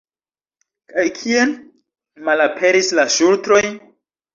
Kaj kien malaperis la ŝultroj?